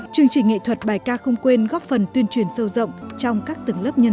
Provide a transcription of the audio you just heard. chương trình nghệ thuật bài ca không quên góp phần tuyên truyền sâu rộng trong các tầng lớp nhân dân